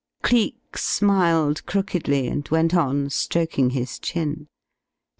Cleek smiled, crookedly, and went on stroking his chin.